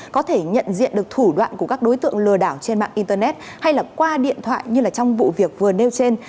có thể nhận diện được thủ đoạn của các đối tượng lừa đảo trên mạng internet hay là qua điện thoại như là trong vụ việc vừa nêu trên